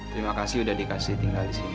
terima kasih sudah dikasih tinggal di sini